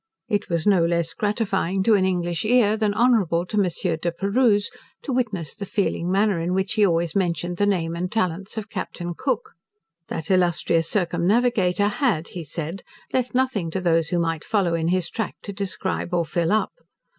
It was no less gratifying to an English ear, than honourable to Monsieur De Perrouse, to witness the feeling manner in which he always mentioned the name and talents of Captain Cook. That illustrious circumnavigator had, he said, left nothing to those who might follow in his track to describe, or fill up.